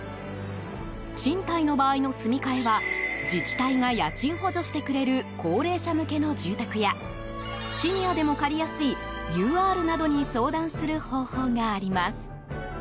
賃貸の場合の住み替えは自治体が家賃補助してくれる高齢者向けの住宅やシニアでも借りやすいＵＲなどに相談する方法があります。